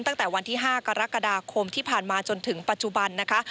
ตั้งแต่วันที่๕กรกฎาคมที่ผ่านมาจนถึงปัจจุบันนะคะ